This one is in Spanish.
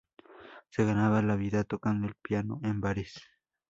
Se ganaba la vida tocando el piano en bares.